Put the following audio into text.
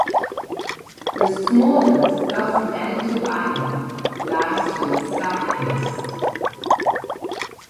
The smaller South Manitou Island lies to its southwest.